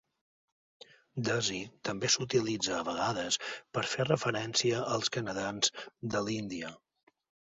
Desi també s'utilitza a vegades per fer referència als canadencs de l'Índia.